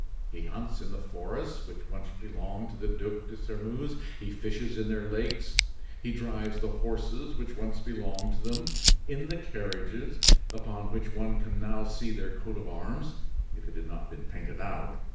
He hunts in the forests which once belonged to the Ducs de Sairmeuse; he fishes in their lakes; he drives the horses which once belonged to them, in the carriages upon which one could now see their coat of arms, if it had not been painted out.